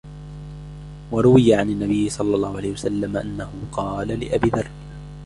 وَرُوِيَ عَنْ النَّبِيِّ صَلَّى اللَّهُ عَلَيْهِ وَسَلَّمَ أَنَّهُ قَالَ لِأَبِي ذَرٍّ